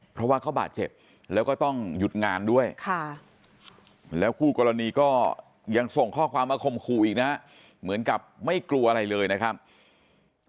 เพราะว่าเขาบาดเจ็บแล้วก็ต้องหยุดงานด้วยแล้วคู่กรณีก็ยังส่งข้อความมาข่มขู่อีกนะฮะเหมือนกับไม่กลัวอะไรเลยนะครับ